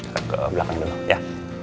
ke belakang dulu ya